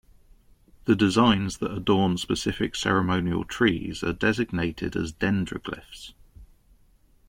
The designs that adorn specific ceremonial trees are designated as 'dendroglyphs.